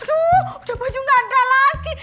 aduh udah baju gak ada lagi